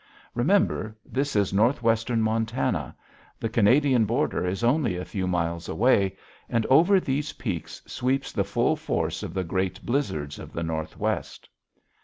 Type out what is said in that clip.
Remember, this is northwestern Montana; the Canadian border is only a few miles away, and over these peaks sweeps the full force of the great blizzards of the Northwest.